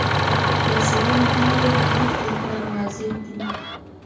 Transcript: د څېړنې پایلې د خلکو لپاره واضح دي.